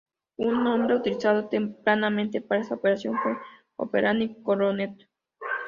Un nombre utilizado tempranamente para esta operación fue "Operación Coronet".